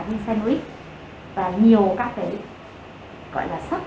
insanoid và nhiều các cái gọi là sop